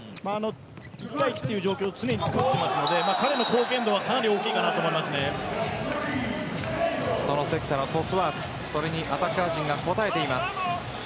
一対一という状況を常につくっているのでその関田のトスワークそれにアタッカー陣が応えています。